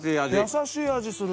優しい味する。